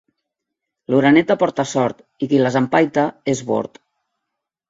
L'oreneta porta sort i qui les empaita és bord.